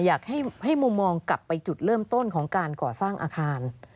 อยากให้มุมมองกลับไปจุดเริ่มต้นของการก่อสร้างอาคาร